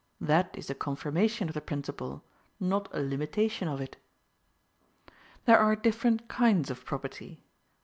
That is a confirmation of the principle, not a limitation of it. There are different kinds of property: 1.